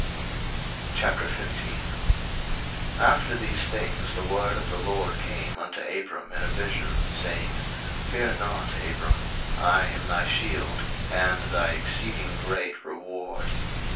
01:015:001 After these things the word of the LORD came unto Abram in a vision, saying, Fear not, Abram: I am thy shield, and thy exceeding great reward.